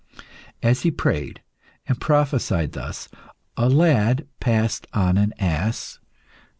As he prayed and prophesied thus, a lad passed on an ass.